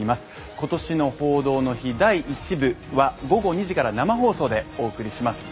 今年の「報道の日」、第１部は午後２時から生放送でお送りします。